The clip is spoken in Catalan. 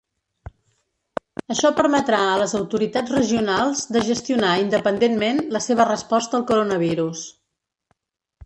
Això permetrà a les autoritats regionals de gestionar independentment la seva resposta al coronavirus.